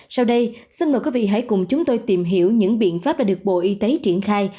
sau đây xin mời quý vị hãy cùng chúng tôi tìm hiểu những biện pháp đã được bộ y tế triển khai